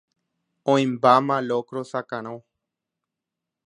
oĩmbáma locro sakarõ.